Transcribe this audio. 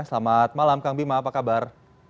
selamat malam kang bima apa kabar